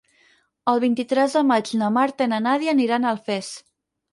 El vint-i-tres de maig na Marta i na Nàdia aniran a Alfés.